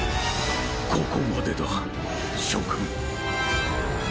ここまでだ諸君。